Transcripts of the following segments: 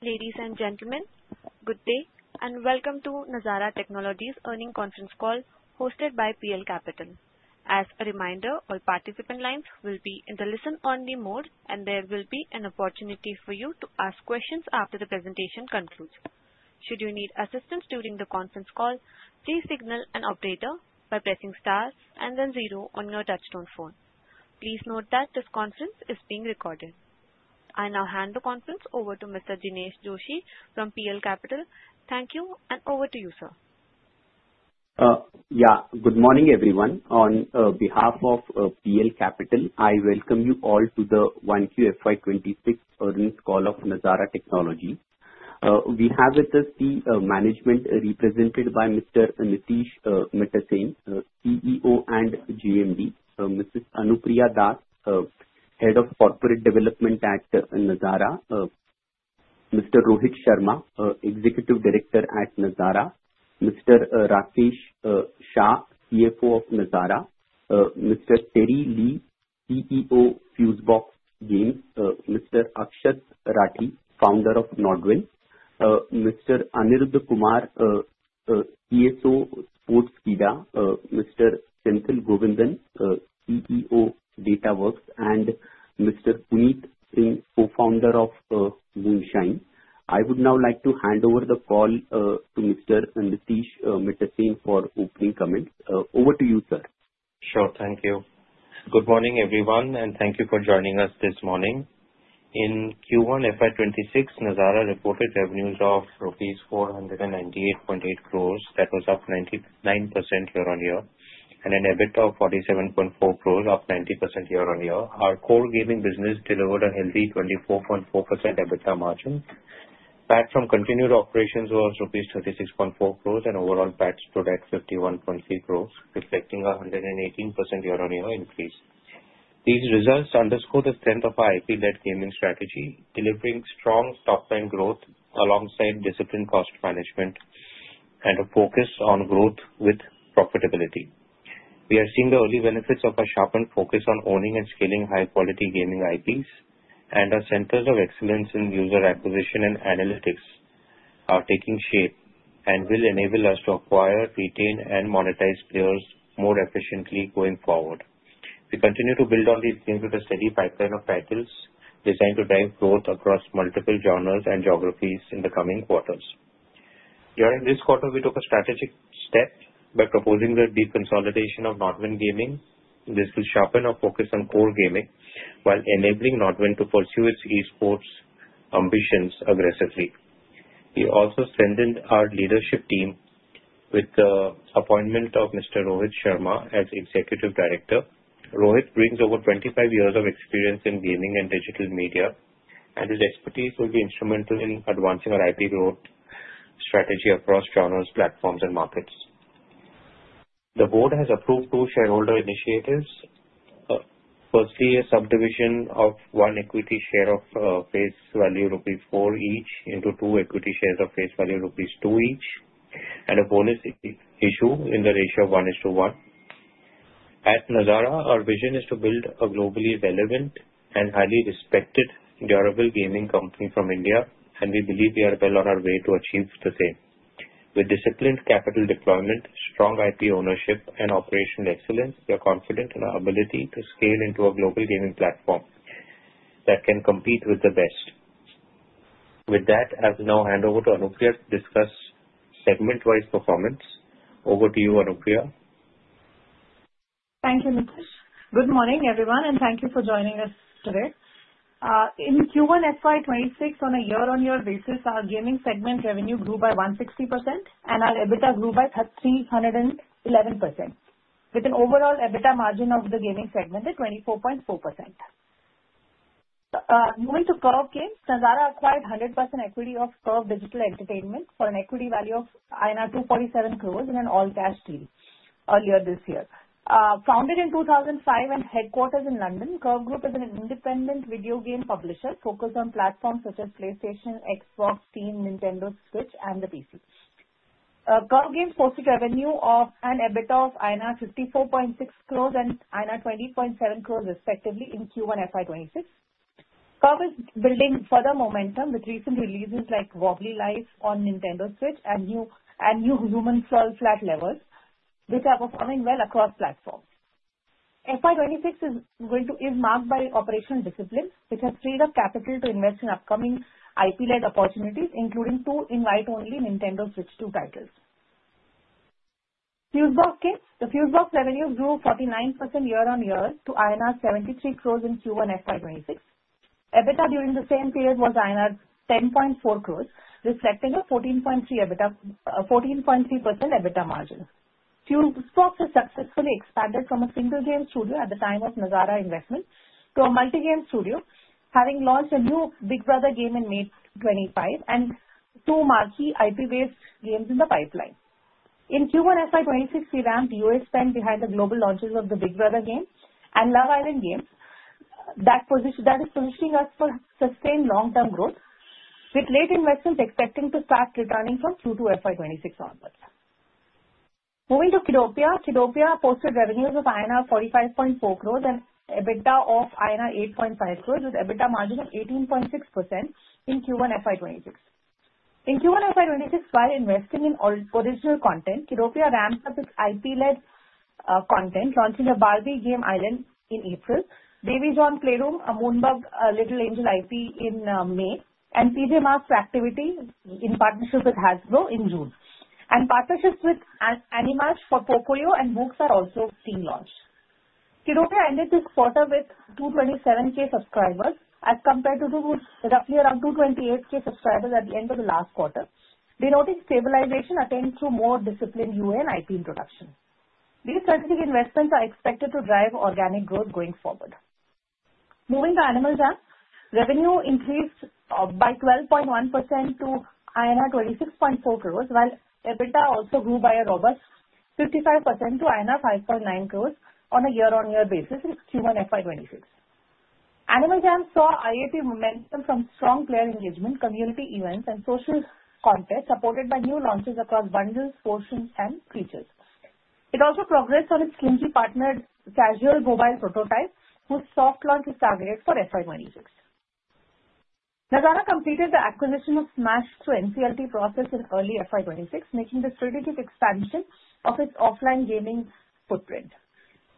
Ladies and gentlemen, good day and welcome to Nazara Technologies' earnings conference call hosted by PL Capital. As a reminder, all participant lines will be in the listen-only mode, and there will be an opportunity for you to ask questions after the presentation concludes. Should you need assistance during the conference call, please signal an operator by pressing star and then zero on your touch-tone phone. Please note that this conference is being recorded. I now hand the conference over to Mr. Jinesh Joshi from PL Capital. Thank you, and over to you, sir. Yeah, good morning, everyone. On behalf of PL Capital, I welcome you all to the 1QFY26 earnings call of Nazara Technologies. We have with us the management represented by Mr. Nitish Mittersain, CEO and JMD, Mrs. Anupriya Das, Head of Corporate Development at Nazara, Mr. Rohit Sharma, Executive Director at Nazara, Mr. Rakesh Shah, CFO of Nazara, Mr. Terry Li, CEO Fusebox Games, Mr. Akshat Rathee, Founder of NODWIN Gaming, Mr. Aniruddha Kumar, CSO Sportskeeda, Mr. Senthil Govindan, CEO Datawrkz, and Mr. Puneet Singh, Co-founder of Moonshine. I would now like to hand over the call to Mr. Nitish Mittersain for opening comments. Over to you, sir. Sure, thank you. Good morning, everyone, and thank you for joining us this morning. In Q1 FY26, Nazara reported revenues of rupees 498.8 crores. That was up 99% year-on-year, and an EBITDA of 47.4 crores, up 90% year-on-year. Our core gaming business delivered a healthy 24.4% EBITDA margin. PAT from continuing operations was rupees 36.4 crores, and overall PAT stood at 51.3 crores, reflecting a 118% year-on-year increase. These results underscore the strength of our IP-led gaming strategy, delivering strong top-line growth alongside disciplined cost management and a focus on growth with profitability. We are seeing the early benefits of a sharpened focus on owning and scaling high-quality gaming IPs, and our centers of excellence in user acquisition and analytics are taking shape and will enable us to acquire, retain, and monetize players more efficiently going forward. We continue to build on these games with a steady pipeline of titles designed to drive growth across multiple genres and geographies in the coming quarters. During this quarter, we took a strategic step by proposing the deep consolidation of NODWIN Gaming. This will sharpen our focus on core gaming while enabling NODWIN to pursue its esports ambitions aggressively. We also strengthened our leadership team with the appointment of Mr. Rohit Sharma as Executive Director. Rohit brings over 25 years of experience in gaming and digital media, and his expertise will be instrumental in advancing our IP growth strategy across genres, platforms, and markets. The board has approved two shareholder initiatives. Firstly, a subdivision of one equity share of face value rupees 4 each into two equity shares of face value rupees 2 each, and a bonus issue in the ratio of 1:1. At Nazara, our vision is to build a globally relevant and highly respected durable gaming company from India, and we believe we are well on our way to achieve the same. With disciplined capital deployment, strong IP ownership, and operational excellence, we are confident in our ability to scale into a global gaming platform that can compete with the best. With that, I will now hand over to Anupriya to discuss segment-wise performance. Over to you, Anupriya. Thank you, Nitish. Good morning, everyone, and thank you for joining us today. In Q1 FY26, on a year-on-year basis, our gaming segment revenue grew by 160%, and our EBITDA grew by 311%, with an overall EBITDA margin of the gaming segment at 24.4%. Moving to Curve Games, Nazara acquired 100% equity of Curve Games for an equity value of INR 247 crores in an all-cash deal earlier this year. Founded in 2005 and headquartered in London, Curve Games is an independent video game publisher focused on platforms such as PlayStation, Xbox, Steam, Nintendo Switch, and the PC. Curve Games posted revenue and EBITDA of INR 54.6 crores and INR 20.7 crores, respectively, in Q1 FY26. Curve Games is building further momentum with recent releases like Wobbly Life on Nintendo Switch and Human: Fall Flat, which are performing well across platforms. FY26 is marked by operational discipline, which has freed up capital to invest in upcoming IP-led opportunities, including two invite-only Nintendo Switch 2 titles. Fusebox Games, the Fusebox revenues grew 49% year-on-year to INR 73 crores in Q1 FY26. EBITDA during the same period was INR 10.4 crores, reflecting a 14.3% EBITDA margin. Fusebox has successfully expanded from a single game studio at the time of Nazara investment to a multi-game studio, having launched a new Big Brother game in May 2025 and two marquee IP-based games in the pipeline. In Q1 FY26, we ramped U.S. spend behind the global launches of the Big Brother game and Love Island Games, that is positioning us for sustained long-term growth, with late investments expecting to start returning from Q2 FY26 onwards. Moving to Kiddopia, Kiddopia posted revenues of INR 45.4 crores and EBITDA of INR 8.5 crores, with EBITDA margin of 18.6% in Q1 FY26. In Q1 FY26, while investing in original content, Kiddopia ramped up its IP-led content, launching a Barbie Dreamhouse in April, Baby John Playroom, a Moonbug Little Angel IP in May, and PJ Masks activity in partnership with Hasbro in June and partnerships with Animaj for Pocoyo and Monk are also being launched. Kiddopia ended this quarter with 227k subscribers as compared to roughly around 228k subscribers at the end of the last quarter, denoting stabilization attained through more disciplined UA and IP introduction. These strategic investments are expected to drive organic growth going forward. Moving to Animal Jam, revenue increased by 12.1% to INR 26.4 crores, while EBITDA also grew by a robust 55% to INR 5.9 crores on a year-on-year basis in Q1 FY26. Animal Jam saw IAP momentum from strong player engagement, community events, and social contests supported by new launches across bundles, portions, and features. It also progressed on its Kaji-partnered casual mobile prototype, whose soft launch is targeted for FY26. Nazara completed the acquisition of Smaaash through NCLT process in early FY26, making this strategic expansion of its offline gaming footprint.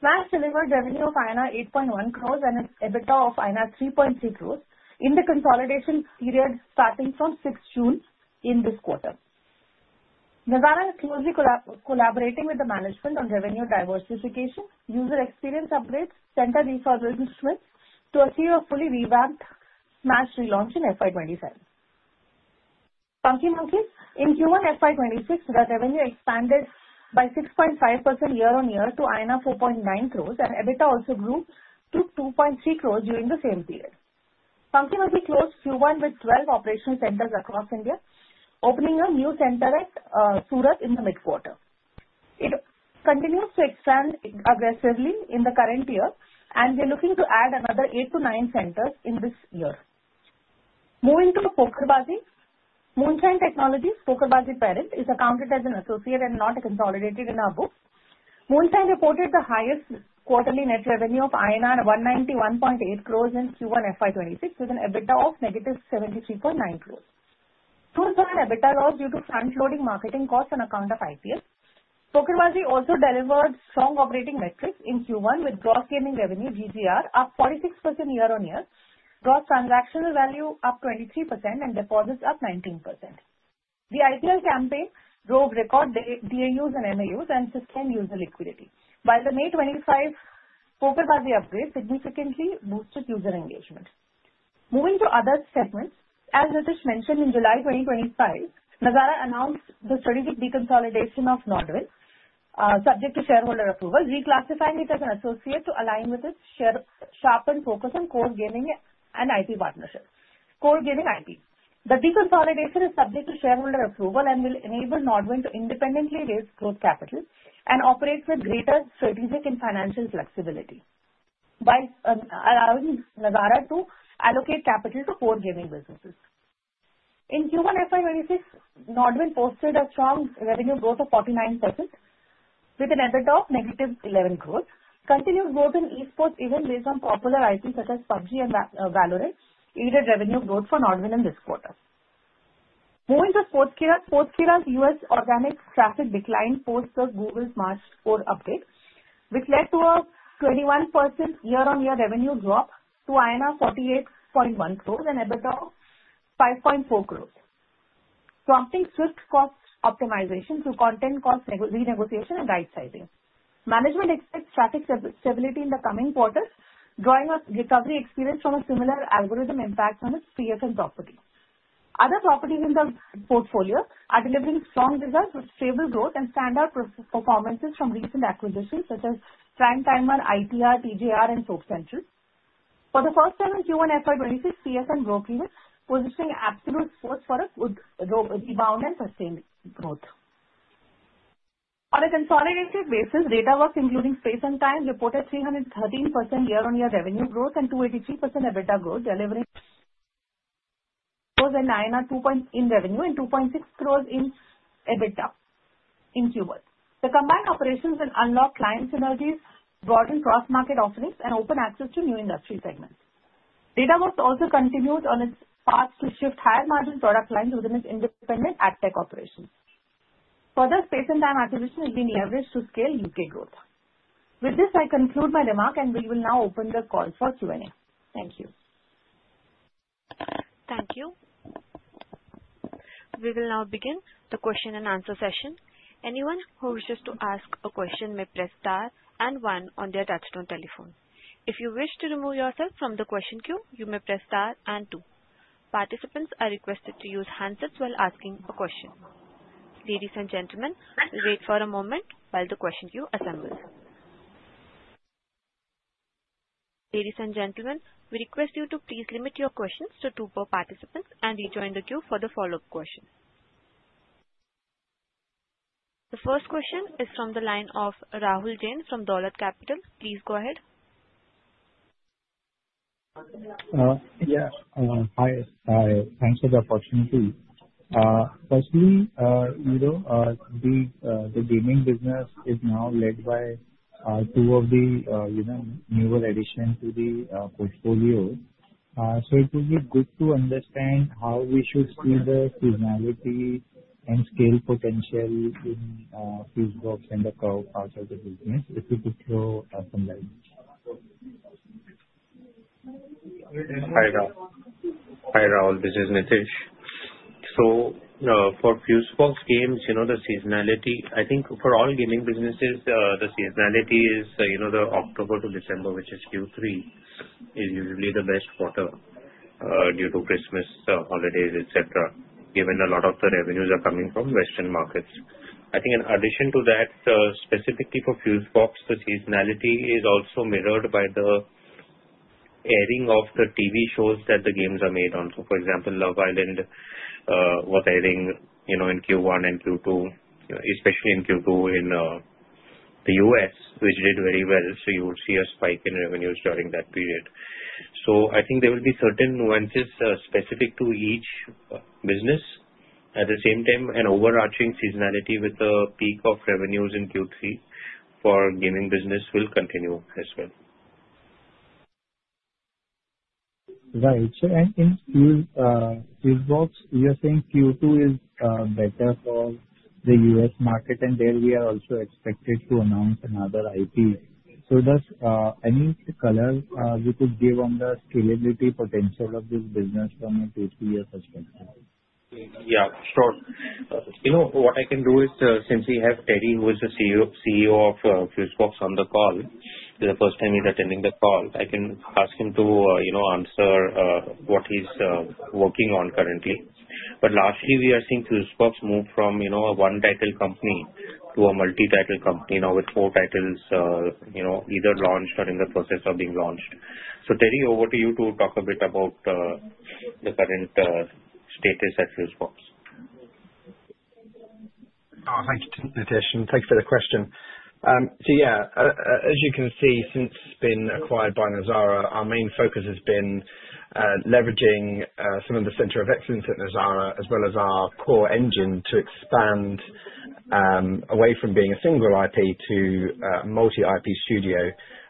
Smaaash delivered revenue of INR 8.1 crores and an EBITDA of INR 3.3 crores in the consolidation period starting from June 6th in this quarter. Nazara is closely collaborating with the management on revenue diversification, user experience upgrades, center resources, and shifts to a serious fully revamped Smaaash relaunch in FY27. Funky Monkeys, in Q1 FY26, their revenue expanded by 6.5% year-on-year to INR 4.9 crores, and EBITDA also grew to 2.3 crores during the same period. Funky Monkeys closed Q1 with 12 operational centers across India, opening a new center at Surat in the mid-quarter. It continues to expand aggressively in the current year, and we are looking to add another eight to nine centers in this year. Moving to PokerBaazi, Moonshine Technology, PokerBaazi Parent, is accounted as an associate and not consolidated in our books. Moonshine reported the highest quarterly net revenue of INR 191.8 crores in Q1 FY26, with an EBITDA of -73.9 crores. This was an EBITDA loss due to front-loading marketing costs on account of IPL. PokerBaazi also delivered strong operating metrics in Q1, with gross gaming revenue (GGR) up 46% year-on-year, gross transactional value up 23%, and deposits up 19%. The IPL campaign drove record DAUs and MAUs and sustained user liquidity, while the May 25 PokerBaazi upgrade significantly boosted user engagement. Moving to other segments, as Nitish mentioned, in July 2025, Nazara announced the strategic deconsolidation of NODWIN, subject to shareholder approval, reclassifying it as an associate to align with its sharpened focus on core gaming and IP partnerships. Core gaming IP, the deconsolidation is subject to shareholder approval and will enable NODWIN to independently raise growth capital and operate with greater strategic and financial flexibility, while allowing Nazara to allocate capital to core gaming businesses. In Q1 FY26, NODWIN posted a strong revenue growth of 49%, with an EBITDA of -11 crores. Continued growth in esports, even based on popular IPs such as PUBG and Valorant, aided revenue growth for NODWIN in this quarter. Moving to Sportskeeda, Sportskeeda U.S. organic traffic decline post the Google March Core update, which led to a 21% year-on-year revenue drop to INR 48.1 crores and EBITDA of 5.4 crores, prompting swift cost optimization through content cost renegotiation and right-sizing. Management expects traffic stability in the coming quarter, drawing a recovery experience from a similar algorithm impact on its PFN property. Other properties in the portfolio are delivering strong results with stable growth and standout performances from recent acquisitions such as Primetimer, ITR, PFN, and Soap Central. For the first time in Q1 FY26, PFN and broke even positioning Absolute Sports for a good rebound and sustained growth. On a consolidated basis, Datawrkz, including Space & Time, reported 313% year-on-year revenue growth and 283% EBITDA growth, delivering INR 10.3 crores in revenue and 2.6 crores in EBITDA in Q1. The combined operations and unlocked client synergies broadened cross-market offerings and opened access to new industry segments. Datawrkz also continues on its path to shift higher-margin product lines within its independent AdTech operations. Further Space & Time acquisition is being leveraged to scale U.K. growth. With this, I conclude my remark, and we will now open the call for Q&A. Thank you. Thank you. We will now begin the question and answer session. Anyone who wishes to ask a question may press star and one on the attached telephone. If you wish to remove yourself from the question queue, you may press star and two. Participants are requested to use handsets while asking a question. Ladies and gentlemen, we'll wait for a moment while the question queue assembles. Ladies and gentlemen, we request you to please limit your questions to two per participant and rejoin the queue for the follow-up question. The first question is from the line of Rahul Jain from Dolat Capital. Please go ahead. Yes, hi. Thanks for the opportunity. Firstly, the gaming business is now led by two of the newer additions to the portfolio. So it would be good to understand how we should see the seasonality and scale potential in Fusebox and the part of the business if you could throw some light. Hi Rahul. This is Nitish. So for Fusebox Games, the seasonality, I think for all gaming businesses, the seasonality is the October to December, which is Q3, is usually the best quarter due to Christmas holidays, etc., given a lot of the revenues are coming from Western markets. I think in addition to that, specifically for Fusebox Games, the seasonality is also mirrored by the airing of the TV shows that the games are made on. So for example, Love Island was airing in Q1 and Q2, especially in Q2 in the U.S., which did very well. So you would see a spike in revenues during that period. So I think there will be certain nuances specific to each business. At the same time, an overarching seasonality with the peak of revenues in Q3 for gaming business will continue as well. Right. In Fusebox, you're saying Q2 is better for the U.S. market, and there we are also expected to announce another IP. So does any color you could give on the scalability potential of this business from a Q3 perspective? Yeah, sure. What I can do is, since we have Terry, who is the CEO of Fusebox, on the call, the first time he's attending the call, I can ask him to answer what he's working on currently. But lastly, we are seeing Fusebox move from a one-title company to a multi-title company now with four titles either launched or in the process of being launched. So Terry, over to you to talk a bit about the current status at Fusebox. Oh, thank you, Nitish, and thanks for the question. So yeah, as you can see, since being acquired by Nazara, our main focus has been leveraging some of the center of excellence at Nazara as well as our core engine to expand away from being a single IP to a multi-IP studio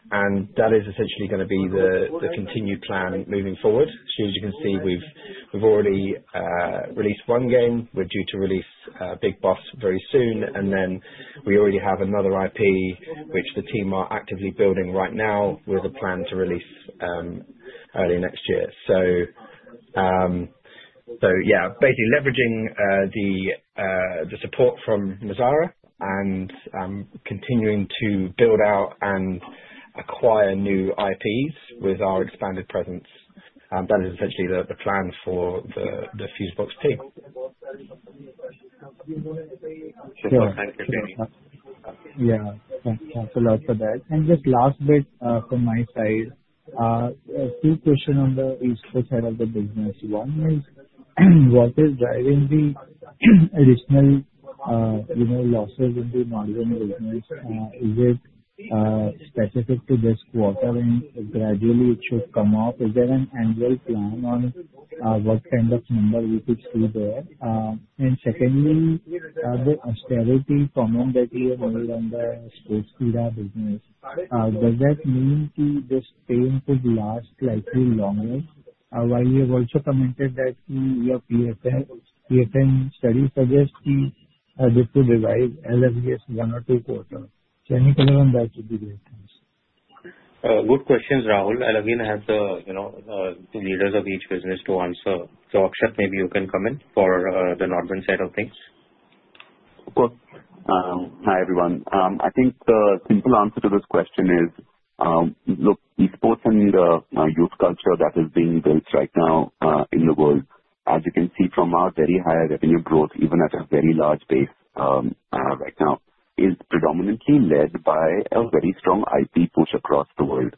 and that is essentially going to be the continued plan moving forward. So as you can see, we've already released one game. We're due to release Big Brother very soon. Then we already have another IP, which the team are actively building right now with a plan to release early next year. So yeah, basically leveraging the support from Nazara and continuing to build out and acquire new IPs with our expanded presence. That is essentially the plan for the Fusebox team. Super. Thank you, Terry. Yeah. Thanks a lot for that. Just last bit from my side, a few questions on the esports side of the business. One is, what is driving the additional losses in the NODWIN business? Is it specific to this quarter and gradually it should come off? Is there an annual plan on what kind of number we could see there? Secondly, the austerity comment that you have made on the Sportskeeda business, does that mean that this pain could last slightly longer? While you have also commented that your SEM study suggests this could revive as of this one or two quarters. So any color on that would be great, thanks. Good questions, Rahul. Again, I have the leaders of each business to answer. So Akshat, maybe you can come in for the NODWIN side of things. Of course. Hi everyone. I think the simple answer to this question is, look, esports and the youth culture that is being built right now in the world, as you can see from our very high revenue growth, even at a very large base right now, is predominantly led by a very strong IP push across the world.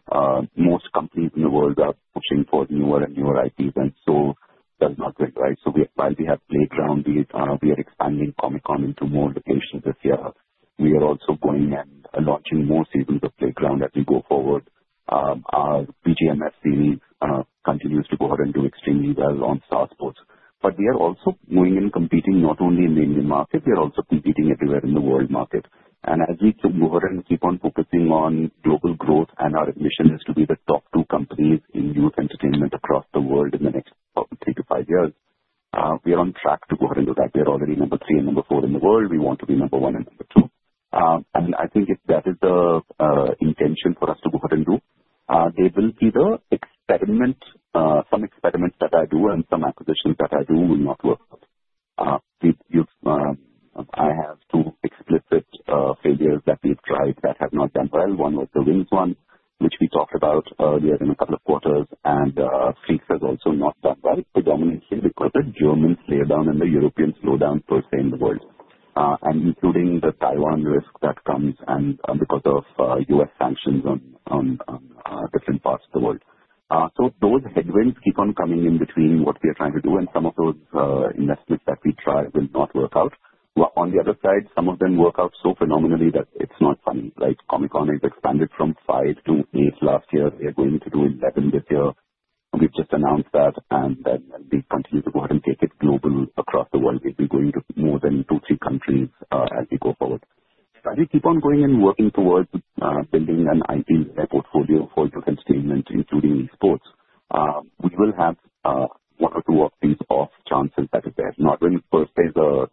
Most companies in the world are pushing for newer and newer IPs, and so does NODWIN, right? So while we have Playground, we are expanding Comic-Con into more locations this year. We are also going and launching more seasons of Playground as we go forward. Our BGMS series continues to go ahead and do extremely well on Star Sports. But we are also going and competing not only in the Indian market, we are also competing everywhere in the world market. As we move ahead and keep on focusing on global growth and our ambition is to be the top two companies in youth entertainment across the world in the next three to five years, we are on track to go ahead and do that. We are already number three and number four in the world. We want to be number one and number two. I think that is the intention for us to go ahead and do. There will be some experiments that I do and some acquisitions that I do will not work. I have two explicit failures that we've tried that have not done well. One was the Wings one, which we talked about earlier in a couple of quarters and Freaks has also not done well predominantly because of German slowdown and the European slowdown per se in the world, and including the Taiwan risk that comes because of U.S. sanctions on different parts of the world. So those headwinds keep on coming in between what we are trying to do, and some of those investments that we try will not work out. On the other side, some of them work out so phenomenally that it's not funny, right? Comic-Con has expanded from five to eight last year. They are going to do 11 this year. We've just announced that, and then we continue to go ahead and take it global across the world. We'll be going to more than two, three countries as we go forward. So as we keep on going and working towards building an IP portfolio for youth entertainment, including esports, we will have one or two of these off chances that if NODWIN per se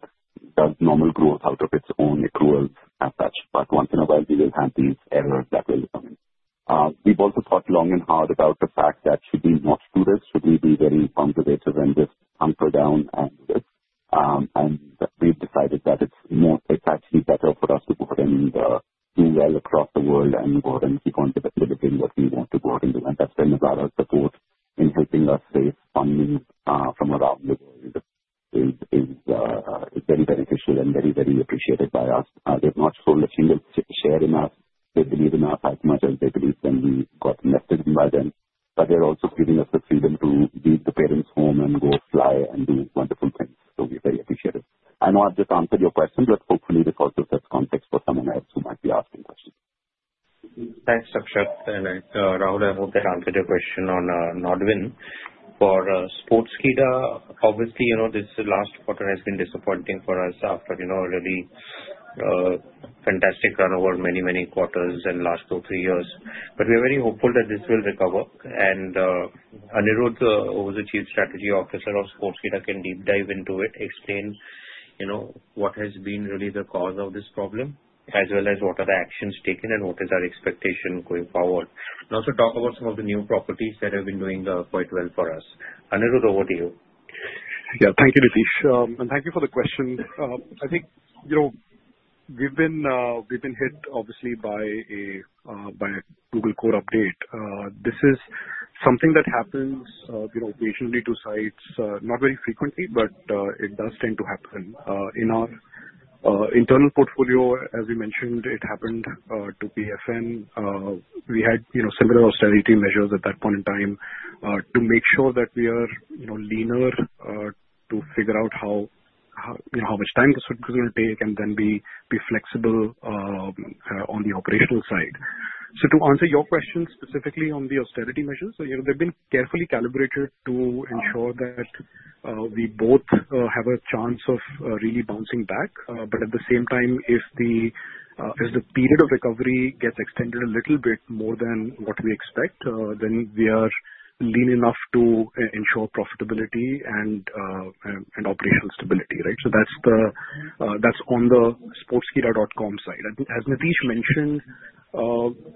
does normal growth out of its own accruals as such. But once in a while, we will have these acquisitions that will come in. We've also thought long and hard about the fact that should we not do this, should we be very conservative and just hunker down and do this? We've decided that it's actually better for us to go ahead and do well across the world and go ahead and keep on delivering what we want to go ahead and do and that's where Nazara's support in helping us raise funding from around the world is very beneficial and very, very appreciated by us. They've not sold a single share in us. They believe in us as much as they believed when we got invested in by them. But they're also giving us the freedom to leave the parents' home and go fly and do wonderful things. So we're very appreciative. I know I've just answered your question, but hopefully this also sets context for someone else who might be asking questions. Thanks, Akshat. Rahul, I hope that answered your question on NODWIN. For Sportskeeda, obviously, this last quarter has been disappointing for us after a really fantastic run over many, many quarters in the last two, three years. But we are very hopeful that this will recover. Aniruddha, who was the Chief Strategy Officer of Sportskeeda, can deep dive into it, explain what has been really the cause of this problem, as well as what are the actions taken and what is our expectation going forward. Also talk about some of the new properties that have been doing quite well for us. Aniruddha, over to you. Yeah, thank you, Nitish, and thank you for the question. I think we've been hit, obviously, by a Google Core update. This is something that happens occasionally to sites, not very frequently, but it does tend to happen. In our internal portfolio, as we mentioned, it happened to PFM. We had similar austerity measures at that point in time to make sure that we are leaner to figure out how much time this is going to take and then be flexible on the operational side. So to answer your question specifically on the austerity measures, they've been carefully calibrated to ensure that we both have a chance of really bouncing back. But at the same time, if the period of recovery gets extended a little bit more than what we expect, then we are lean enough to ensure profitability and operational stability, right? So that's on the sportskeeda.com side. As Nitish mentioned,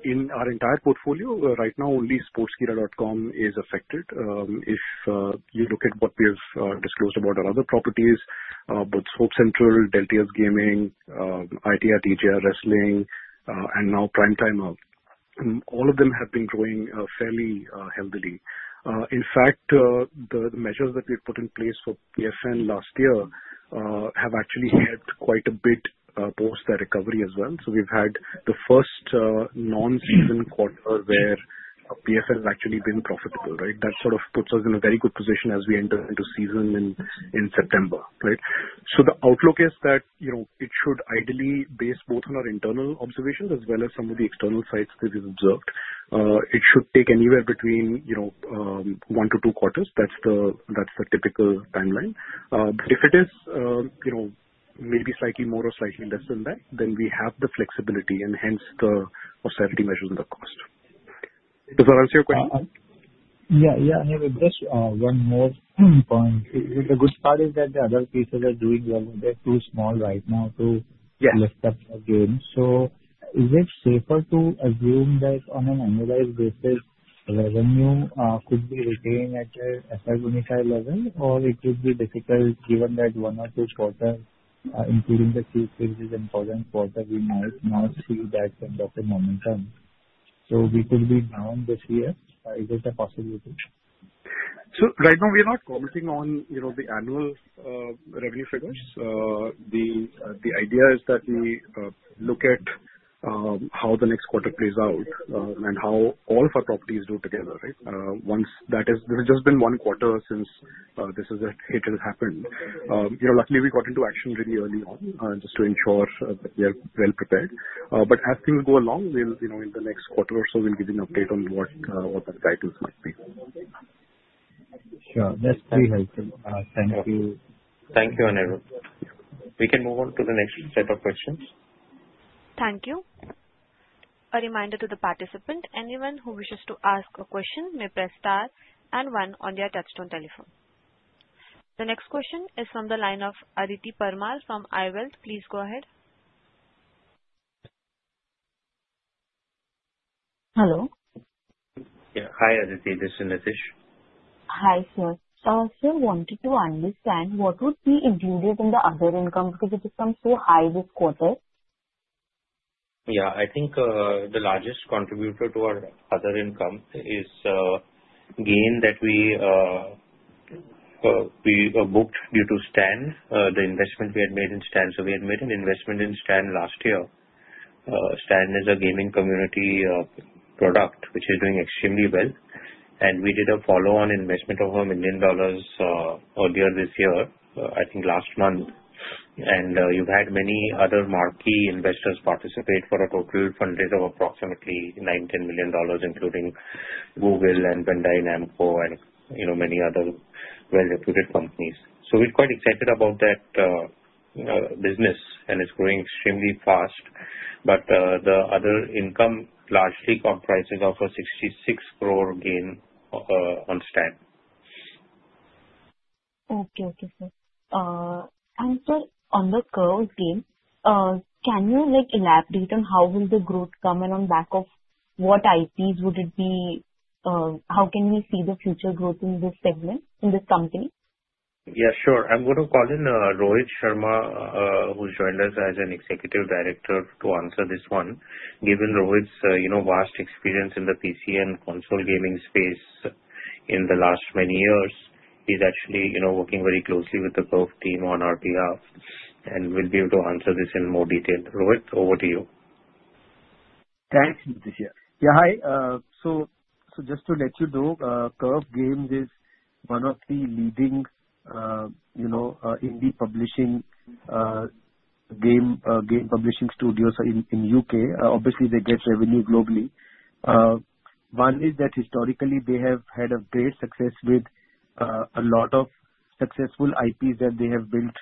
in our entire portfolio, right now, only Sportskeeda.com is affected. If you look at what we have disclosed about our other properties, both Soap Central, Deltia's Gaming, ITR Wrestling, and now Primetimer, all of them have been growing fairly heavily. In fact, the measures that we put in place for PFM last year have actually helped quite a bit post that recovery as well. So we've had the first non-season quarter where PFM has actually been profitable, right? That sort of puts us in a very good position as we enter into season in September, right? So the outlook is that it should ideally base both on our internal observations as well as some of the external sites that we've observed. It should take anywhere between one to two quarters. That's the typical timeline. But if it is maybe slightly more or slightly less than that, then we have the flexibility and hence the austerity measures and the cost. Does that answer your question? Yeah. Yeah. I have just one more point. A good start is that the other pieces are doing well. They're too small right now to lift up again. So is it safer to assume that on an annualized basis, revenue could be retained at an FY25 level, or it would be difficult given that one or two quarters, including the Q3, is an important quarter, we might not see that kind of a momentum? So we could be down this year. Is it a possibility? So right now, we are not commenting on the annual revenue figures. The idea is that we look at how the next quarter plays out and how all of our properties do together, right? There has just been one quarter since this hit has happened. Luckily, we got into action really early on just to ensure that we are well prepared. But as things go along, in the next quarter or so, we'll give you an update on what that guidance might be. Sure. That's very helpful. Thank you. Thank you, Aniruddha. We can move on to the next set of questions. Thank you. A reminder to the participant, anyone who wishes to ask a question may press star and one on their touch-tone telephone. The next question is from the line of Aditi Parmar from I-Wealth. Please go ahead. Hello. Yeah. Hi, Aditi. This is Nitish. Hi, sir. I also wanted to understand what would be included in the other income because it has come so high this quarter. Yeah. I think the largest contributor to our other income is gain that we booked due to Stan, the investment we had made in Stan. So we had made an investment in Stan last year. Stan is a gaming community product which is doing extremely well and we did a follow-on investment of $1 million earlier this year, I think last month. You've had many other marquee investors participate for a total fundraiser of approximately $9-$10 million, including Google and Bandai Namco and many other well-reputed companies. So we're quite excited about that business, and it's growing extremely fast. But the other income largely comprises of a 66 crore gain on Stan. Okay. Okay, sir. On the Curve Games, can you elaborate on how will the growth come in on back of what IPs would it be? How can we see the future growth in this segment, in this company? Yeah, sure. I'm going to call in Rohit Sharma, who joined us as an Executive Director to answer this one. Given Rohit's vast experience in the PC and console gaming space in the last many years, he's actually working very closely with the Curve team on our behalf and we'll be able to answer this in more detail. Rohit, over to you. Thanks, Nitish. Yeah, hi. So just to let you know, Curve Games is one of the leading indie publishing game publishing studios in the U.K. Obviously, they get revenue globally. One is that historically, they have had great success with a lot of successful IPs that they have built,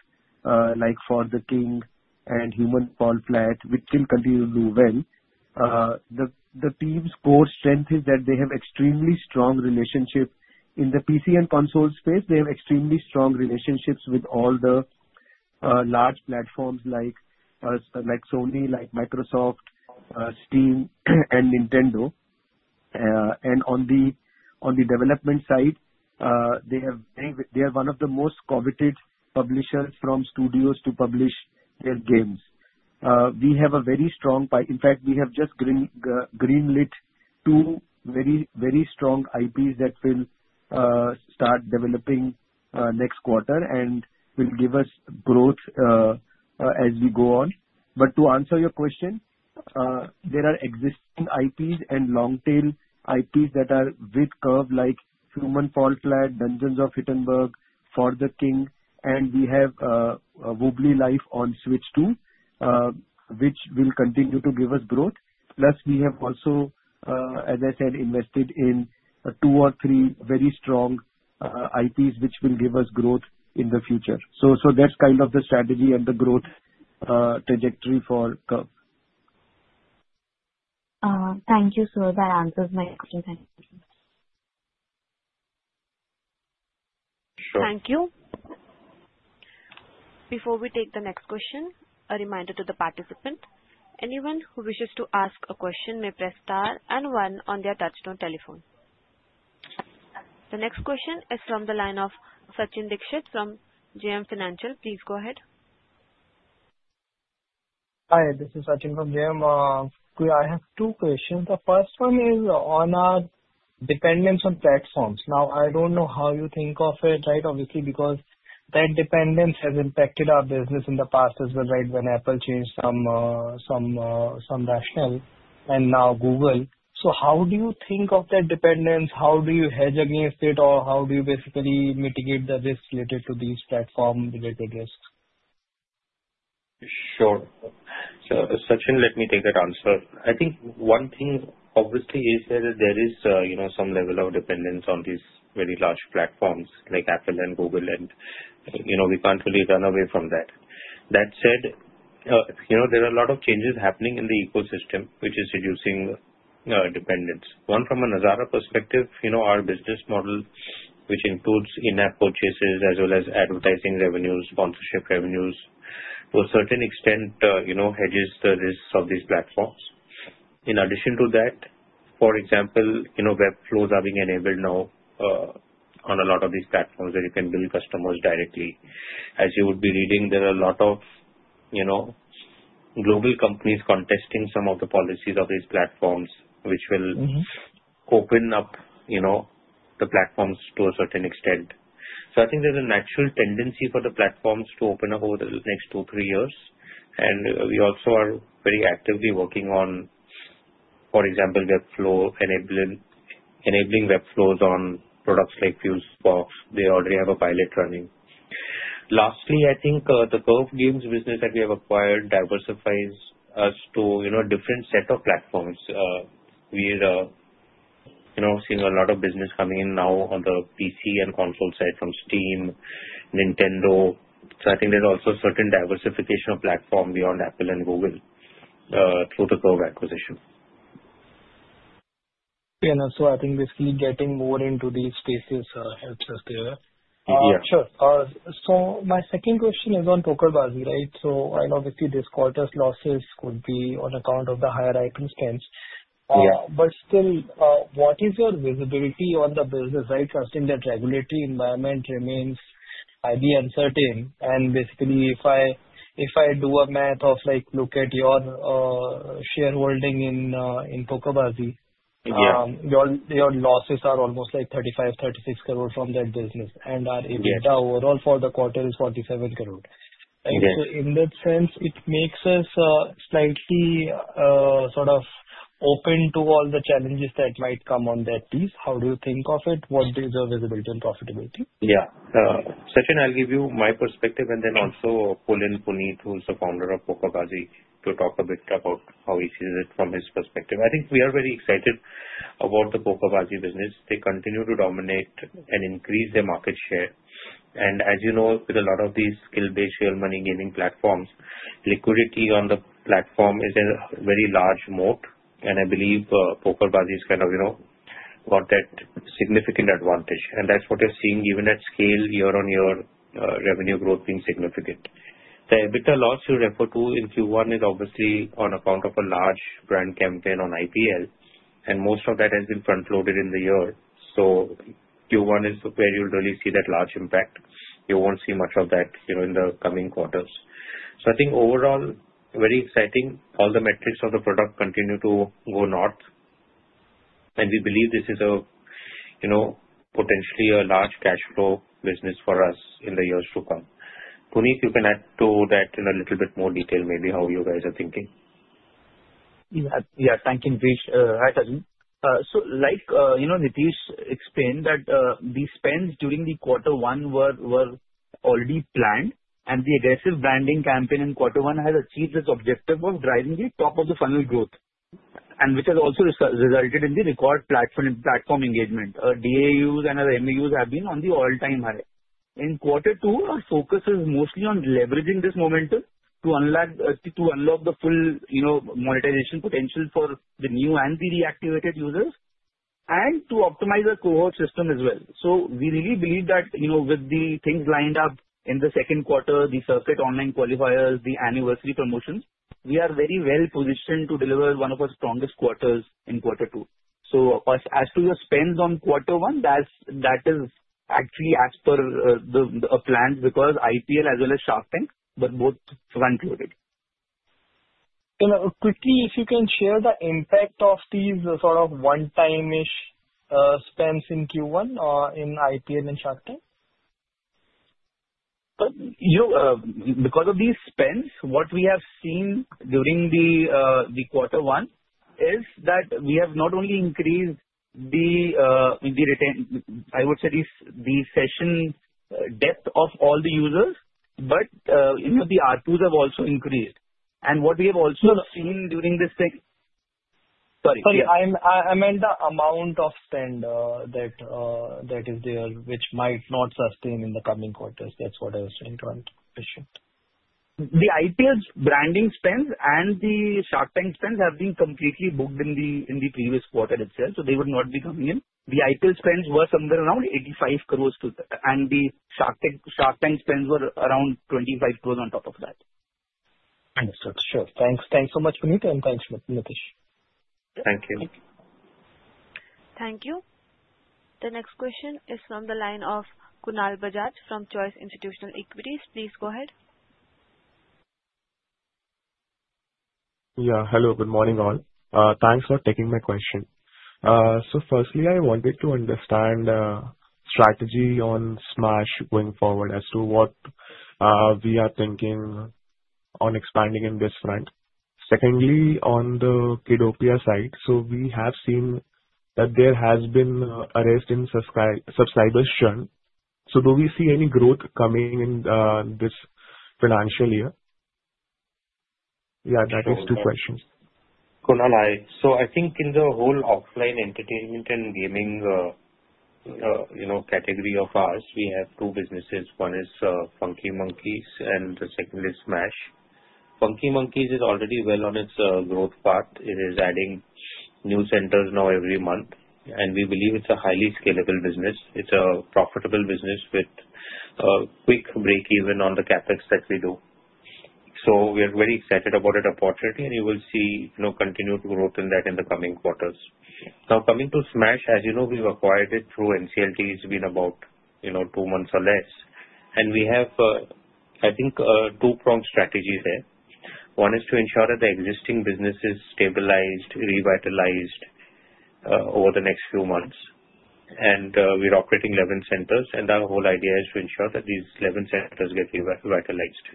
like For The King and Human: Fall Flat, which still continue to do well. The team's core strength is that they have an extremely strong relationship in the PC and console space. They have extremely strong relationships with all the large platforms like Sony, like Microsoft, Steam, and Nintendo, and on the development side, they are one of the most coveted publishers from studios to publish their games. We have a very strong pipeline. In fact, we have just greenlit two very strong IPs that will start developing next quarter and will give us growth as we go on. But to answer your question, there are existing IPs and long-tail IPs that are with Curve, like Human: Fall Flat, Dungeons of Hinterberg, For The King. We have Wobbly Life on Switch 2, which will continue to give us growth. Plus, we have also, as I said, invested in two or three very strong IPs which will give us growth in the future. So that's kind of the strategy and the growth trajectory for Curve. Thank you, sir. That answers my question. Thank you. Thank you. Before we take the next question, a reminder to the participant. Anyone who wishes to ask a question may press star and one on their touch-tone telephone. The next question is from the line of Sachin Dixit from JM Financial. Please go ahead. Hi, this is Sachin from JM. I have two questions. The first one is on our dependence on platforms. Now, I don't know how you think of it, right? Obviously, because that dependence has impacted our business in the past as well, right, when Apple changed some rationale and now Google. So how do you think of that dependence? How do you hedge against it, or how do you basically mitigate the risk related to these platform-related risks? Sure. So Sachin, let me take that answer. I think one thing, obviously, is that there is some level of dependence on these very large platforms like Apple and Google, and we can't really run away from that. That said, there are a lot of changes happening in the ecosystem which is reducing dependence. One, from a Nazara perspective, our business model, which includes in-app purchases as well as advertising revenues, sponsorship revenues, to a certain extent hedges the risks of these platforms. In addition to that, for example, web flows are being enabled now on a lot of these platforms where you can build customers directly. As you would be reading, there are a lot of global companies contesting some of the policies of these platforms, which will open up the platforms to a certain extent. So I think there's a natural tendency for the platforms to open up over the next two, three years. We also are very actively working on, for example, enabling web flows on products like Fusebox. They already have a pilot running. Lastly, I think the Curve Games business that we have acquired diversifies us to a different set of platforms. We are seeing a lot of business coming in now on the PC and console side from Steam, Nintendo. So I think there's also a certain diversification of platform beyond Apple and Google through the core acquisition. Yeah. So I think basically getting more into these spaces helps us there. Yeah. Sure. So my second question is on PokerBaazi, right? So I know obviously this quarter's losses could be on account of the higher IP spends. But still, what is your visibility on the business, right, trusting that regulatory environment remains highly uncertain? Basically, if I do a math of look at your shareholding in PokerBaazi, your losses are almost like 35-36 crore from that business and our EBITDA overall for the quarter is 47 crore. So in that sense, it makes us slightly sort of open to all the challenges that might come on that piece. How do you think of it? What is your visibility and profitability? Yeah. Sachin, I'll give you my perspective and then also pull in Puneet, who is the founder of PokerBaazi, to talk a bit about how he sees it from his perspective. I think we are very excited about the PokerBaazi business. They continue to dominate and increase their market share. As you know, with a lot of these skill-based real money gaming platforms, liquidity on the platform is a very large moat. I believe PokerBaazi has kind of got that significant advantage. That's what you're seeing given that scale year on year, revenue growth being significant. The EBITDA loss you refer to in Q1 is obviously on account of a large brand campaign on IPL and most of that has been front-loaded in the year. So Q1 is where you'll really see that large impact. You won't see much of that in the coming quarters. So I think overall, very exciting. All the metrics of the product continue to go north and we believe this is potentially a large cash flow business for us in the years to come. Puneet, you can add to that in a little bit more detail, maybe how you guys are thinking. Yeah. Thank you, Nitish. Hi, Sachin. So like Nitish explained, the spends during the quarter one were already planned and the aggressive branding campaign in quarter one has achieved its objective of driving the top of the funnel growth, which has also resulted in the required platform engagement. DAUs and other MAUs have been on the all-time high. In quarter two, our focus is mostly on leveraging this momentum to unlock the full monetization potential for the new and the reactivated users and to optimize the cohort system as well. So we really believe that with the things lined up in the second quarter, the Circuit Online Qualifiers, the anniversary promotions, we are very well positioned to deliver one of our strongest quarters in quarter two. So as to your spends on quarter one, that is actually as per the plan because IPL as well as Shark Tank, but both front-loaded. Quickly, if you can share the impact of these sort of one-time-ish spends in Q1 in IPL and Shark Tank? Because of these spends, what we have seen during the quarter one is that we have not only increased the, I would say, the session depth of all the users, but the ARPUs have also increased and what we have also seen during this. Sorry. I meant the amount of spend that is there, which might not sustain in the coming quarters. That's what I was trying to understand. The IPL branding spends and the Shark Tank spends have been completely booked in the previous quarter itself. So they would not be coming in. The IPL spends were somewhere around 85 crores, and the Shark Tank spends were around 25 crores on top of that. Understood. Sure. Thanks so much, Puneet, and thanks, Nitish. Thank you. Thank you. The next question is from the line of Kunal Bajaj from Choice Institutional Equities. Please go ahead. Yeah. Hello. Good morning, all. Thanks for taking my question. So firstly, I wanted to understand strategy on Smaaash going forward as to what we are thinking on expanding in this front. Secondly, on the Kiddopia side, so we have seen that there has been a rise in subscribers churn. So do we see any growth coming in this financial year? Yeah, that is two questions. Kunal, so I think in the whole offline entertainment and gaming category of ours, we have two businesses. One is Funky Monkeys, and the second is Smaaash. Funky Monkeys is already well on its growth path. It is adding new centers now every month, and we believe it's a highly scalable business. It's a profitable business with a quick break-even on the CapEx that we do, so we are very excited about that opportunity, and we will see continued growth in that in the coming quarters. Now, coming to Smaaash, as you know, we've acquired it through NCLT. It's been about two months or less, and we have, I think, two-pronged strategies here. One is to ensure that the existing business is stabilized, revitalized over the next few months, and we're operating 11 centers, and our whole idea is to ensure that these 11 centers get revitalized.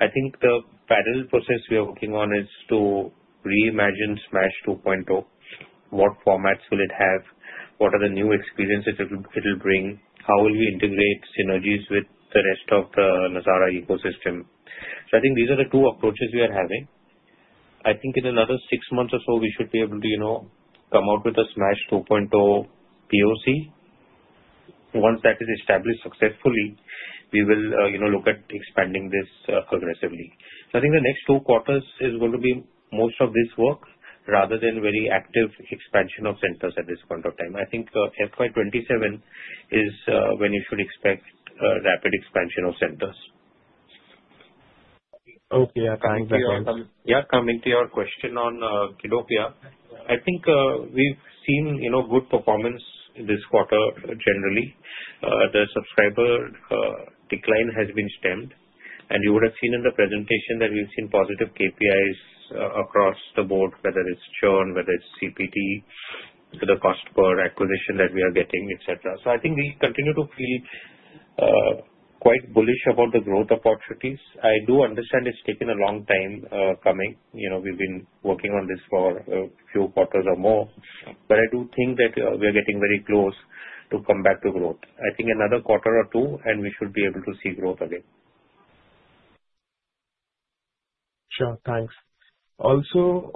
I think the parallel process we are working on is to reimagine Smaaash 2.0. What formats will it have? What are the new experiences it will bring? How will we integrate synergies with the rest of the Nazara ecosystem? So I think these are the two approaches we are having. I think in another six months or so, we should be able to come out with a Smaaash 2.0 POC. Once that is established successfully, we will look at expanding this aggressively. So I think the next two quarters is going to be most of this work rather than very active expansion of centers at this point of time. I think FY27 is when you should expect rapid expansion of centers. Okay. I think that. Yeah. Coming to your question on Kiddopia, I think we've seen good performance this quarter generally. The subscriber decline has been stemmed, and you would have seen in the presentation that we've seen positive KPIs across the board, whether it's churn, whether it's CPT, the cost per acquisition that we are getting, etc., so I think we continue to feel quite bullish about the growth opportunities. I do understand it's taken a long time coming. We've been working on this for a few quarters or more, but I do think that we are getting very close to come back to growth. I think another quarter or two, and we should be able to see growth again. Sure. Thanks. Also,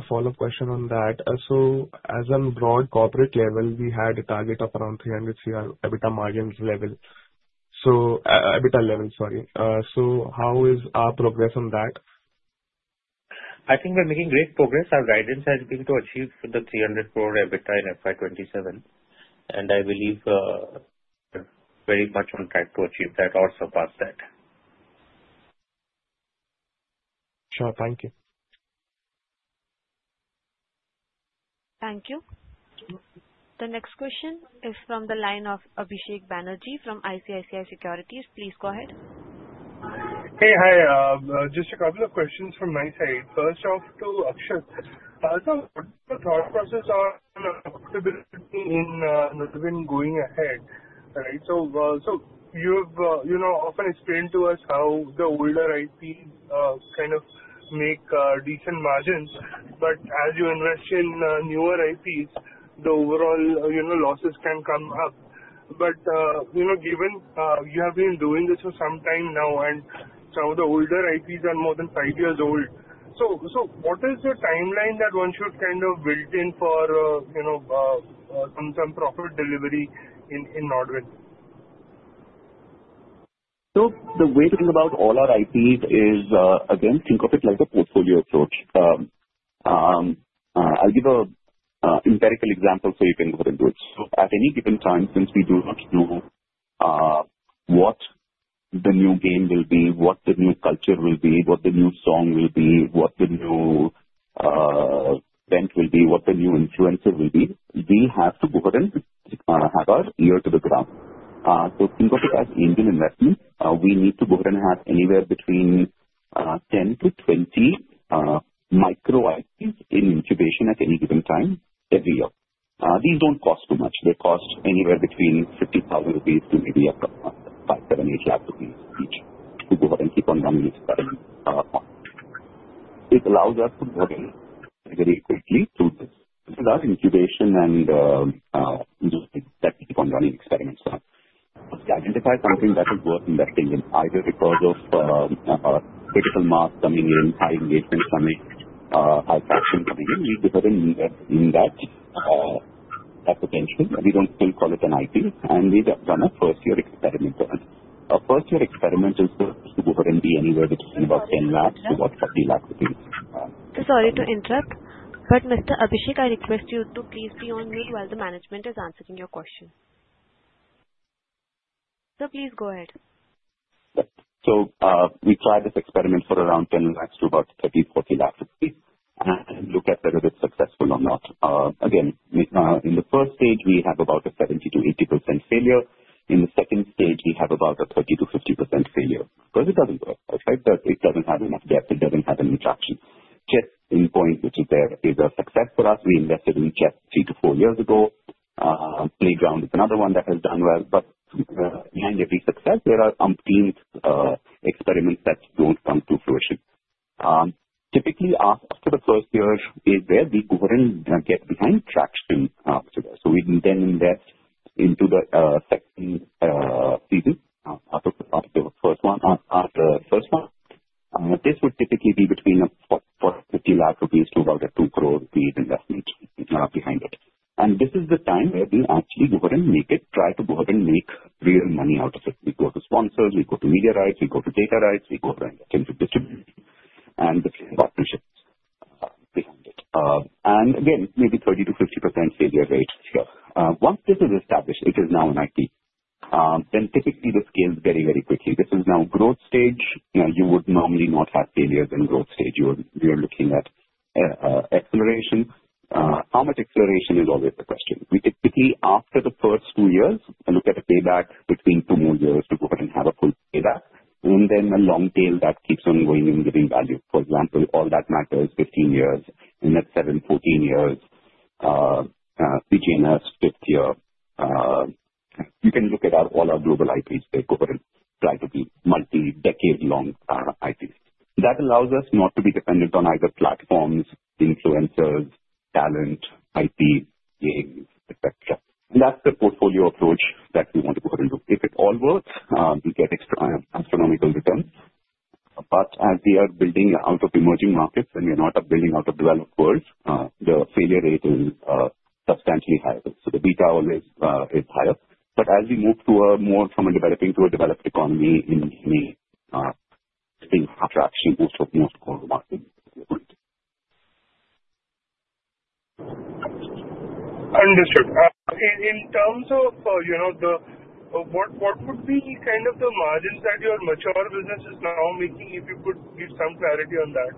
a follow-up question on that. So as a broad corporate level, we had a target of around 300 crore EBITDA margins level. So EBITDA level, sorry. So how is our progress on that? I think we're making great progress. Our guidance has been to achieve the 300 crore EBITDA in FY27, and I believe we're very much on track to achieve that or surpass that. Sure. Thank you. Thank you. The next question is from the line of Abhishek Banerjee from ICICI Securities. Please go ahead. Hey. Hi. Just a couple of questions from my side. First off to Akshat. So what's the thought process on profitability in going ahead? So you have often explained to us how the older IPs kind of make decent margins. But as you invest in newer IPs, the overall losses can come up. But given you have been doing this for some time now, and some of the older IPs are more than five years old, so what is the timeline that one should kind of build in for some profit delivery in NODWIN? So the way to think about all our IPs is, again, think of it like a portfolio approach. I'll give an empirical example so you can look into it. So at any given time, since we do not know what the new game will be, what the new culture will be, what the new song will be, what the new event will be, what the new influencer will be, we have to go ahead and have our ear to the ground. So think of it as angel investments. We need to go ahead and have anywhere between 10-20 micro IPs in incubation at any given time every year. These don't cost too much. They cost anywhere between 50,000 rupees to maybe a couple of 5,000, 7,000 rupees, 8,000 rupees each to go ahead and keep on running experiments on. It allows us to go ahead very quickly through this. This is our incubation and just keep on running experiments. We identify something that is worth investing in. Either because of critical mass coming in, high engagement coming, high fashion coming in, we go ahead and invest in that potential. We don't still call it an IP, and we run a first-year experiment on it. A first-year experiment is to go ahead and be anywhere between about INR 10 lakh to about INR 40 lakhs. Sorry to interrupt. But Mr. Abhishek, I request you to please be on mute while the management is answering your question. So please go ahead. So we try this experiment for around IRN 10 lakhs to about 30-40 lakhs and look at whether it's successful or not. Again, in the first stage, we have about a 70%-80% failure. In the second stage, we have about a 30%-50% failure because it doesn't work. It doesn't have enough depth. It doesn't have any traction. Case in point, which is there, is a success for us. We invested in Case three to four years ago. Playground is another one that has done well. But behind every success, there are umpteen experiments that don't come to fruition. Typically, after the first year is where we go ahead and get behind traction after that. So we then invest into the second season, after the first one. This would typically be between 50 lakh rupees to about a 2 crore rupees investment behind it. This is the time where we actually go ahead and make it, try to go ahead and make real money out of it. We go to sponsors. We go to media rights. We go to data rights. We go ahead and attempt to distribute and the partnerships behind it. Again, maybe 30%-50% failure rate here. Once this is established, it is now an IP. Then typically, the scale is getting very quickly. This is now growth stage. You would normally not have failures in growth stage. We are looking at acceleration. How much acceleration is always the question. We typically, after the first two years, look at a payback between two more years to go ahead and have a full payback. Then a long tail that keeps on going and giving value. For example, All That Matters is 15 years, and that's 14 years. PJ Masks, fifth year. You can look at all our global IPs. They go ahead and try to be multi-decade-long IPs. That allows us not to be dependent on either platforms, influencers, talent, IP, games, etc, and that's the portfolio approach that we want to go ahead and do. If it all works, we get astronomical returns, but as we are building out of emerging markets and we're not building out of developed worlds, the failure rate is substantially higher, so the beta always is higher, but as we move more from a developing to a developed economy, we think traction in most of our core markets will be good. Understood. In terms of what would be kind of the margins that your mature business is now making, if you could give some clarity on that?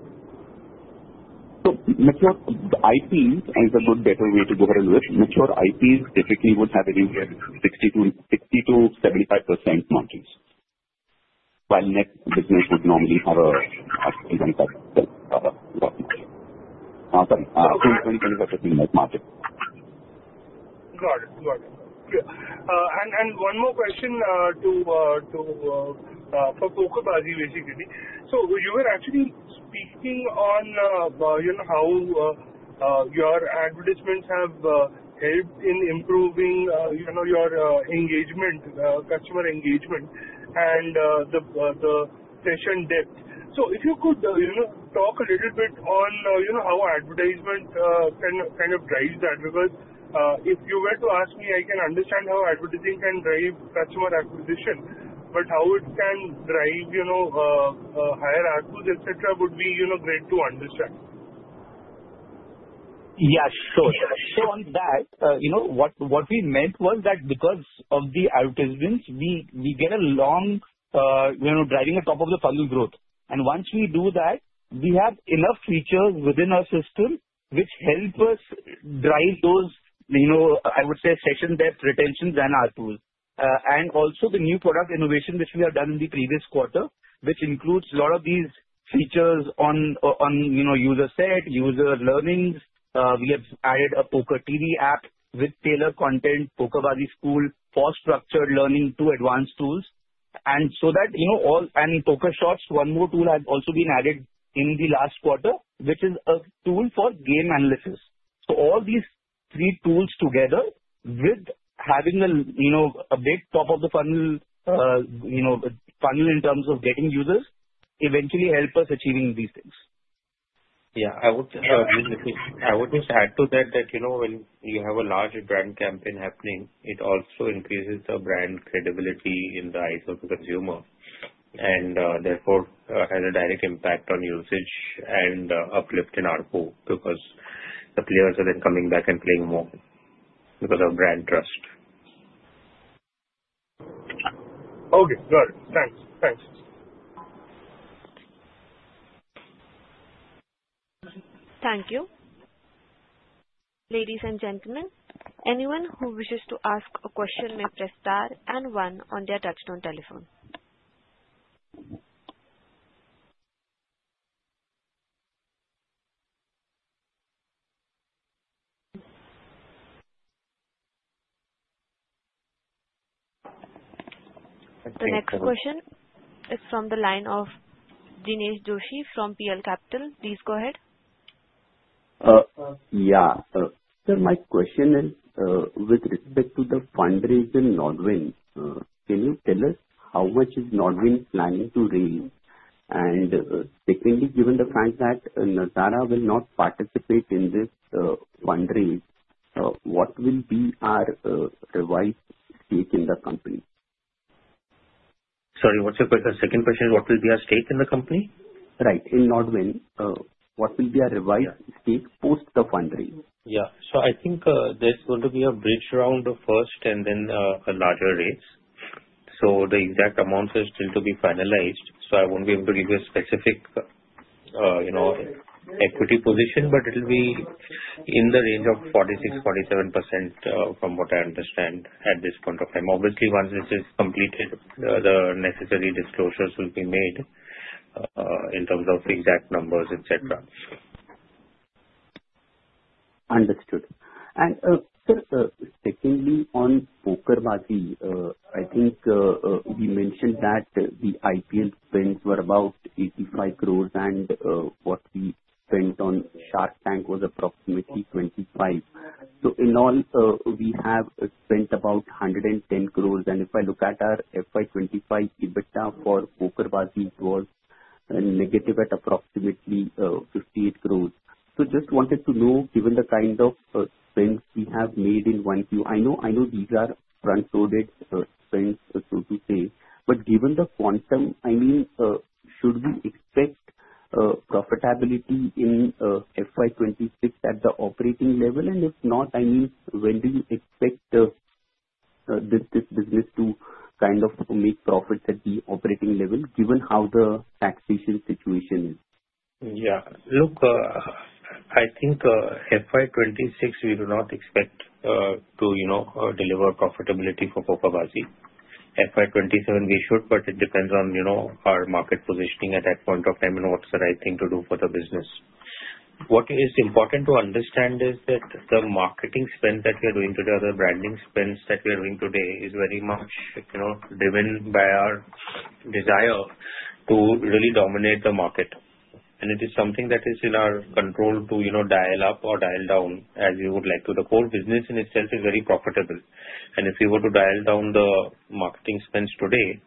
Mature IPs is a good, better way to go ahead and do it. Mature IPs typically would have anywhere between 60%-75% margins, while net business would normally have a 20%-30% net margin. Got it. Got it. Yeah. One more question for PokerBaazi, basically. So you were actually speaking on how your advertisements have helped in improving your engagement, customer engagement, and the session depth. So if you could talk a little bit on how advertisement can kind of drive that, because if you were to ask me, I can understand how advertising can drive customer acquisition, but how it can drive higher ARPUs, etc., would be great to understand. Yeah. Sure. So on that, what we meant was that because of the advertisements, we get a long driving at top of the funnel growth, and once we do that, we have enough features within our system which help us drive those, I would say, session depth, retention, and ARPUs. Also the new product innovation which we have done in the previous quarter, which includes a lot of these features on user set, user learnings. We have added a Poker TV app with tailored content, PokerBaazi School, post-structured learning to advanced tools. So that and PokerStats, one more tool has also been added in the last quarter, which is a tool for game analysis. So all these three tools together with having a big top of the funnel in terms of getting users eventually help us achieving these things. Yeah. I would just add to that that when you have a large brand campaign happening, it also increases the brand credibility in the eyes of the consumer and therefore has a direct impact on usage and uplift in our pool because the players are then coming back and playing more because of brand trust. Okay. Got it. Thanks. Thanks. Thank you. Ladies and gentlemen, anyone who wishes to ask a question may press star and one on their touch-tone telephone. The next question is from the line of Jinesh Joshi from PL Capital. Please go ahead. Yeah. So my question is, with respect to the fundraiser in NODWIN, can you tell us how much is NODWIN planning to raise? Secondly, given the fact that Nazara will not participate in this fundraise, what will be our revised stake in the company? Sorry, what's your question? The second question is, what will be our stake in the company? Right. In NODWIN, what will be our revised stake post the fundraise? Yeah. So I think there's going to be a bridge round first and then a larger raise. So the exact amounts are still to be finalized. So I won't be able to give you a specific equity position, but it'll be in the range of 46%-47% from what I understand at this point of time. Obviously, once this is completed, the necessary disclosures will be made in terms of exact numbers, etc. Understood. Secondly, on PokerBaazi, I think we mentioned that the IPL spends were about 85 crore, and what we spent on Shark Tank was approximately 25. So in all, we have spent about 110 crore. If I look at our FY25 EBITDA for PokerBaazi, it was negative at approximately 58 crore. Just wanted to know, given the kind of spends we have made in one year, I know these are front-loaded spends, so to say. But given the quantum, I mean, should we expect profitability in FY26 at the operating level and if not, I mean, when do you expect this business to kind of make profits at the operating level, given how the taxation situation is? Yeah. Look, I think FY26, we do not expect to deliver profitability for PokerBaazi. FY27, we should, but it depends on our market positioning at that point of time and what's the right thing to do for the business. What is important to understand is that the marketing spend that we are doing today, or the branding spends that we are doing today, is very much driven by our desire to really dominate the market. It is something that is in our control to dial up or dial down as we would like. The core business in itself is very profitable. If you were to dial down the marketing spends today,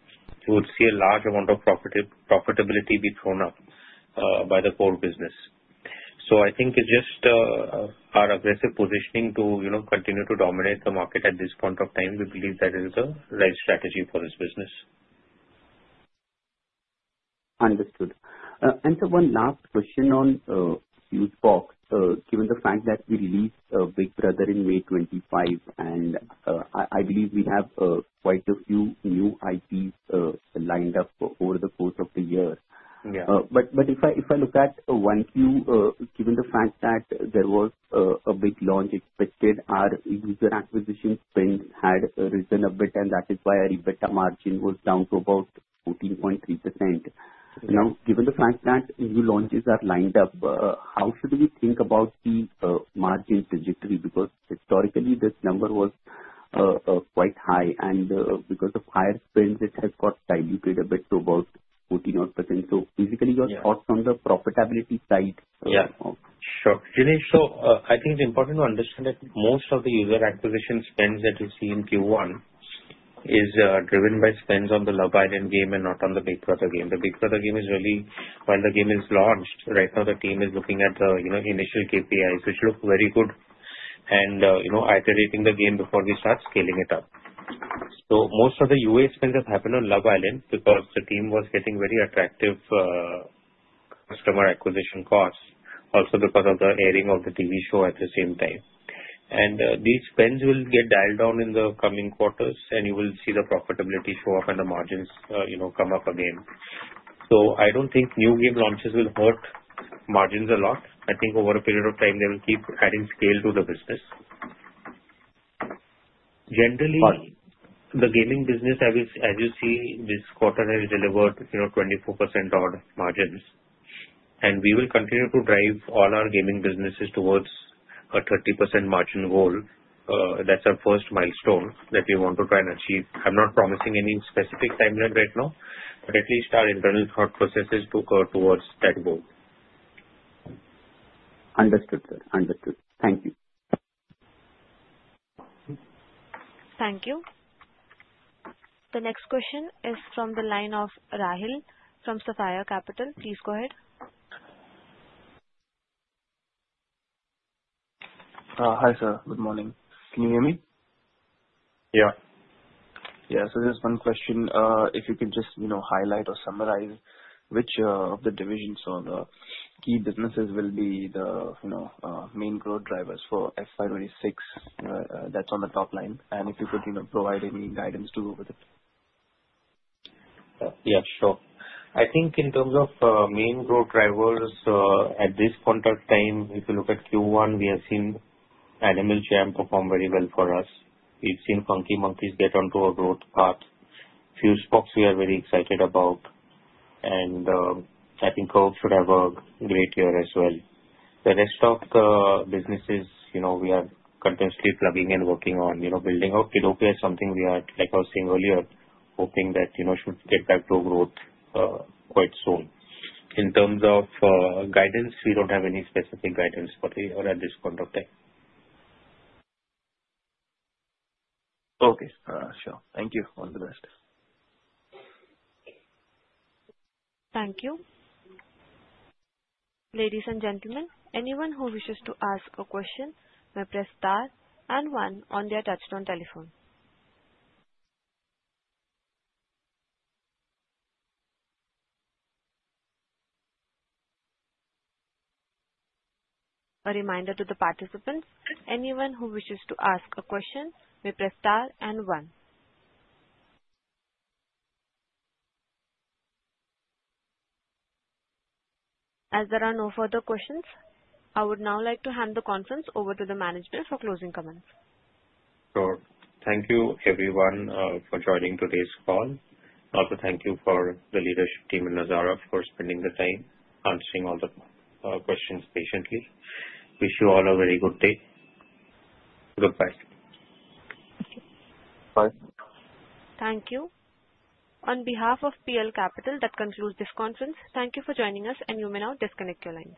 you would see a large amount of profitability be thrown up by the core business. So I think it's just our aggressive positioning to continue to dominate the market at this point of time. We believe that is the right strategy for this business. Understood, and so one last question on Fusebox. Given the fact that we released Big Brother in May 2025, and I believe we have quite a few new IPs lined up over the course of the year. But if I look at 1Q, given the fact that there was a big launch expected, our user acquisition spend had risen a bit, and that is why our EBITDA margin was down to about 14.3%. Now, given the fact that new launches are lined up, how should we think about the margin trajectory? Because historically, this number was quite high, and because of higher spends, it has got diluted a bit to about 14-odd%. So basically, your thoughts on the profitability side? Yeah. Sure. Dinesh, so I think it's important to understand that most of the user acquisition spends that you see in Q1 is driven by spends on the Love Island game and not on the Big Brother game. The Big Brother game is really while the game is launched. Right now, the team is looking at the initial KPIs, which look very good, and iterating the game before we start scaling it up. So most of the UA spend has happened on Love Island because the team was getting very attractive customer acquisition costs, also because of the airing of the TV show at the same time. These spends will get dialed down in the coming quarters, and you will see the profitability show up and the margins come up again. So I don't think new game launches will hurt margins a lot. I think over a period of time, they will keep adding scale to the business. Generally, the gaming business, as you see, this quarter has delivered 24% odd margins, and we will continue to drive all our gaming businesses towards a 30% margin goal. That's our first milestone that we want to try and achieve. I'm not promising any specific timeline right now, but at least our internal thought process is to go towards that goal. Understood, sir. Understood. Thank you. Thank you. The next question is from the line of Rahil from Sapphire Capital. Please go ahead. Hi, sir. Good morning. Can you hear me? Yeah. Yeah. So just one question. If you could just highlight or summarize which of the divisions or the key businesses will be the main growth drivers for FY26 that's on the top line, and if you could provide any guidance to go with it. Yeah. Sure. I think in terms of main growth drivers, at this point of time, if you look at Q1, we have seen Animal Jam perform very well for us. We've seen Funky Monkeys get onto a growth path. Fusebox, we are very excited about. I think Curve should have a great year as well. The rest of the businesses, we are continuously plugging and working on building up. It will be something we are, like I was saying earlier, hoping that should get back to growth quite soon. In terms of guidance, we don't have any specific guidance for the year at this point of time. Okay. Sure. Thank you. All the best. Thank you. Ladies and gentlemen, anyone who wishes to ask a question may press star and one on their touch-tone telephone. A reminder to the participants, anyone who wishes to ask a question may press star and one. As there are no further questions, I would now like to hand the conference over to the management for closing comments. Sure. Thank you, everyone, for joining today's call. Also, thank you for the leadership team in Nazara for spending the time answering all the questions patiently. Wish you all a very good day. Goodbye. Bye. Thank you. On behalf of PL Capital, that concludes this conference. Thank you for joining us, and you may now disconnect your lines.